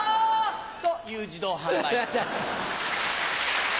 と言う自動販売機。